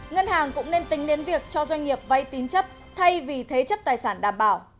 ngân hàng cũng nên tính đến việc cho doanh nghiệp vay tín chấp thay vì thế chấp tài sản đảm bảo